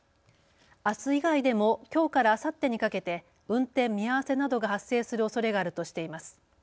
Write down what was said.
あす以外でもきょうからあさってにかけて運転見合わせなどが発生するおそれがあるとしています。